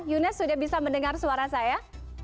yune sudah bisa mendengar suara saya